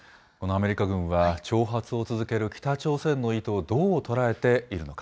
このアメリカ軍は挑発を続ける北朝鮮の意図をどう捉えているのか。